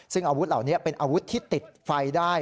ซึ่งอาวุธเหล่านี้เป็นอาวุธที่ติดไฟได้